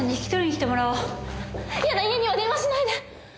嫌だ家には電話しないで！